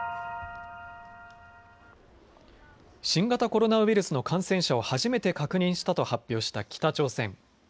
新型コロナウイルスの感染者を初めて確認したと発表した北朝鮮。